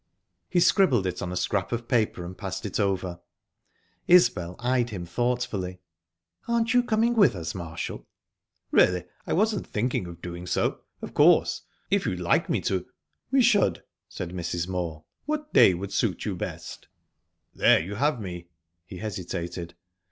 He scribbled it on a scrap of paper, and passed it over. Isbel eyed him thoughtfully. "Aren't you coming with us, Marshall?" "Really, I wasn't thinking of doing so. Of course, of you'd like me to..." "We should," said Mrs. Moor. "What day would suit you best?" "There you have me." He hesitated..."